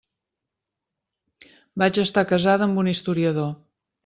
Vaig estar casada amb un historiador.